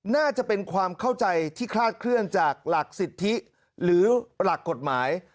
น่าจะเป็นความเข้าใจที่คลาดเคลื่อนจากหลักสิทธิหรือหลักกฎหมาย